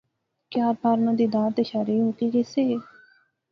کہ آر پار ناں دیدار یا شارے وی مکی گئے سے